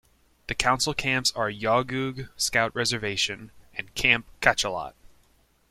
The Council camps are Yawgoog Scout Reservation and Camp Cachalot.